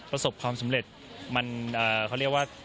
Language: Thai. ประสบความสำเร็จมันเขาเรียกว่า